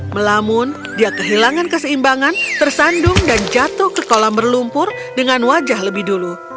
melamun dia kehilangan keseimbangan tersandung dan jatuh ke kolam berlumpur dengan wajah lebih dulu